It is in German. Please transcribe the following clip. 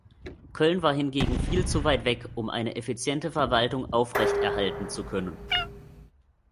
Köln war hingegen viel zu weit weg um eine effiziente Verwaltung aufrechterhalten zu können.